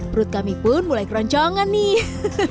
perut kami pun mulai keroncongan nih